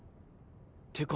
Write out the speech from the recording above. ってか